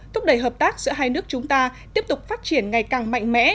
thúc đẩy hợp tác giữa hai nước chúng ta tiếp tục phát triển ngày càng mạnh mẽ